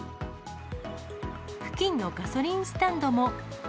付近のガソリンスタンドも。